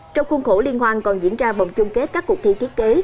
trong khuôn khổ liên hoan còn diễn ra vòng chung kết các cuộc thi thiết kế